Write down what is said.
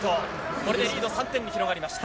これでリードは３点に広がりました。